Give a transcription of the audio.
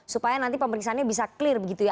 supaya nanti pemeriksaannya bisa clear begitu ya